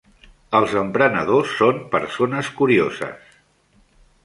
Els emprenedors són persones curioses.